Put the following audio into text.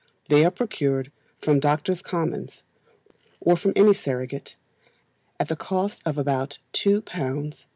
They are procured from Doctors' Commons, or from any surrogate, at the cost of about £2 10s.